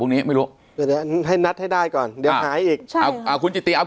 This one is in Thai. ภูมิไม่รู้เดี๋ยวเดี๋ยวให้นัดให้ได้ก่อนเดี๋ยวหายอีกอ่าคุณจิตติเอา